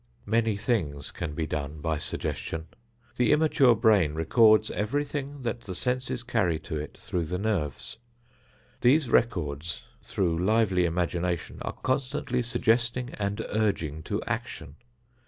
Many things can be done by suggestion. The immature brain records everything that the senses carry to it through the nerves; these records, through lively imagination, are constantly suggesting and urging to action.